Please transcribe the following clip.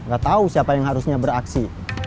gak tahu siapa yang harusnya beraksi